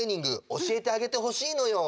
おしえてあげてほしいのよ。